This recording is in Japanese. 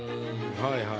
はいはい。